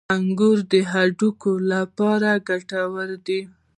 • انګور د هډوکو لپاره ګټور دي.